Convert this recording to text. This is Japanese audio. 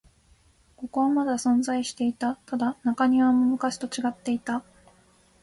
ここはまだ存在していた。ただ、中庭も昔と違っていた。